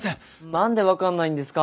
何で分かんないんですか？